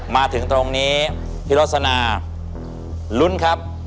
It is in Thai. มาถึงตรงนี้พี่โรสนาลุ้นครับ